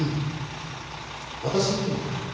私いってもいいかな。